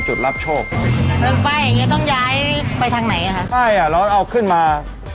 ไฟเราเอาขึ้นมา